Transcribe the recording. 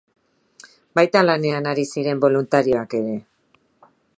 Baita lanean ari ziren boluntarioak ere.